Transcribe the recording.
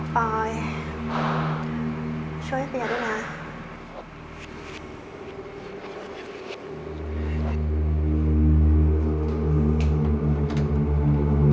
ปล่อยช่วยเปรียบด้วยนะ